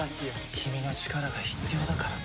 君の力が必要だからね。